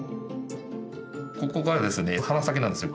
ここがですね鼻先なんですよ。